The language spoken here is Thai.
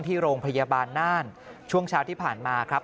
ที่โรงพยาบาลน่านช่วงเช้าที่ผ่านมาครับ